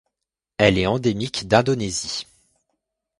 Elle est endémique d'Indonésie.